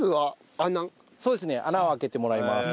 穴を開けてもらいます。